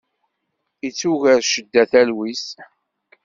Ittuger ccedda talwit.